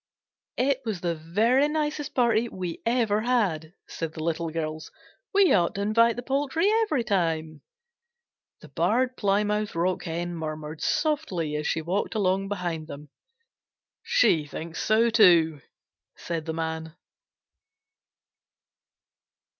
"It was the very nicest party we ever had," said the Little Girls. "We ought to invite the poultry every time." The Barred Plymouth Rock Hen murmured softly as she walked along behind them. "She thinks so too," said the Man.